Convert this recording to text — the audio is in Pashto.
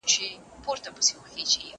زه اوږده وخت پاکوالي ساتم وم؟!